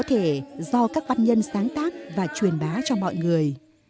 thể do các văn nhân sáng tác và truyền bá cho mọi người